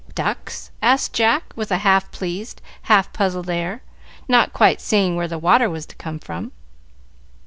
"Ducks?" asked Jack, with a half pleased, half puzzled air, not quite seeing where the water was to come from.